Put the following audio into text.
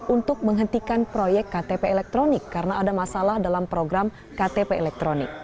untuk menghentikan proyek ktp elektronik karena ada masalah dalam program ktp elektronik